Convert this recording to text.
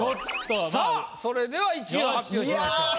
さぁそれでは１位を発表しましょう。